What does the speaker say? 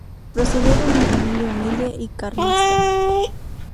Procedía de una familia humilde y carlista.